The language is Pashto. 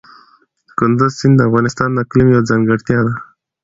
کندز سیند د افغانستان د اقلیم یوه ځانګړتیا ده.